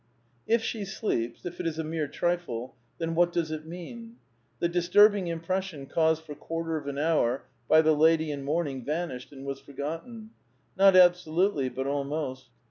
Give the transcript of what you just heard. If she sleeps, if it is a mere trifle, then what does it mean? The disturbing impression caused for quarter of an hour, by the lady in mourning, vanished and was forgotten, — not absolutely, but almost.